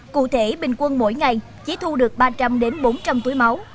cụ thể bình quân mỗi ngày chỉ thu được ba trăm linh bốn trăm linh túi máu